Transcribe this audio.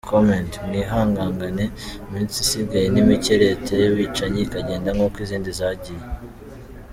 Comment:mwihangangane iminsi isigaye nimike leta yabicanyi ikagenda nkuko izindi zagiye